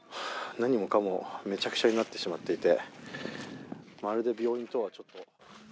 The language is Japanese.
何もかもめちゃくちゃになってしまっていてまるで病院とは。